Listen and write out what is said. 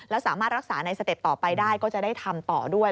แล้วสามารถรักษาในสเต็ปต่อไปได้ก็จะได้ทำต่อด้วย